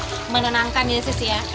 benar benar menenangkan ya sisi ya